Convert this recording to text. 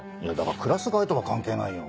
クラス替えとは関係ないよ。